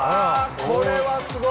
これはすごい！